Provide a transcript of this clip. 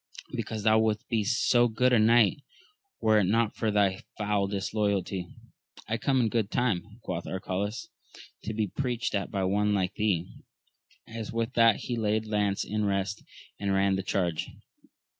— Because thou wouldst be so good a knight were it not for thy foul disloyalty. I come in good time, quoth Arcalaus, to be preached at by one like thee ! and with that he laid lance in rest, and ran the charge.